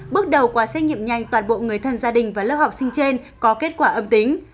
bước đầu quả xét nghiệm nhanh toàn bộ người thân gia đình và lớp học sinh trên có kết quả âm tính